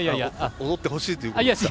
踊ってほしいということですか？